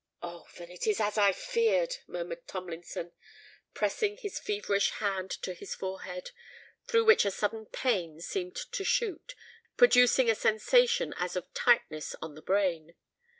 "Oh! then it is as I feared!" murmured Tomlinson, pressing his feverish hand to his forehead, through which a sudden pain seemed to shoot, producing a sensation as of tightness on the brain.